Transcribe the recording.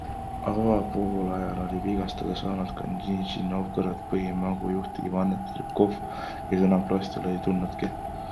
Avapoolajal oli vigastada saanud ka NIžni Novgorodi põhimängujuht Ivan Strebkov, kes enam platsile ei tulnudki.